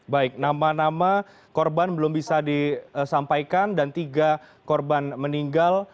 baik nama nama korban belum bisa disampaikan dan tiga korban meninggal